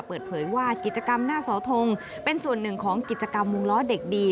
เปิดเผยว่ากิจกรรมหน้าเสาทงเป็นส่วนหนึ่งของกิจกรรมวงล้อเด็กดี